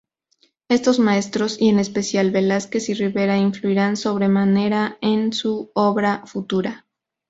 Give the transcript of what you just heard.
Estos maestros, y en especial Velázquez y Ribera, influirán sobremanera en su obra futura.